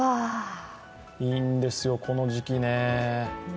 いいんですよ、この時期ね。